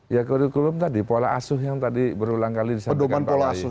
ya kurikulum tadi pola asuh yang tadi berulang kali disampaikan pak asuh